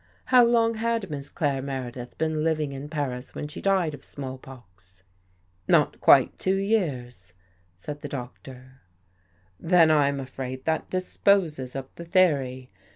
How long had Miss Claire Mere dith been living in Paris when she died of small pox?" " Not quite two years," said the Doctor. " Then I'm afraid that disposes of the theory.